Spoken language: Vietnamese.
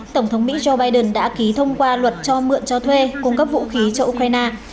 tổng thống mỹ joe biden đã ký thông qua luật cho mượn cho thuê cung cấp vũ khí cho ukraine